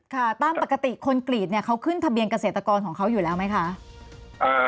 ค่ะตามปกติคนกรีดเนี่ยเขาขึ้นทะเบียนเกษตรกรของเขาอยู่แล้วไหมคะ